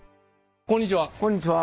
こんにちは！